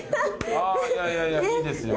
あーいやいやいいですよ。